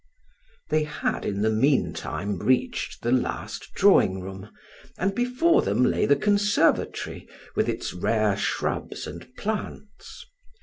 They had, in the meantime, reached the last drawing room, and before them lay the conservatory with its rare shrubs and plants.